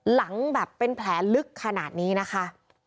หลังแบบเป็นแผลลึกขนาดนี้นะคะ